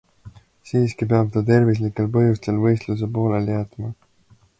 Siiski peab ta tervislikel põhjustel võistluse pooleli jätma.